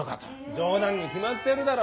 冗談に決まってるだろ。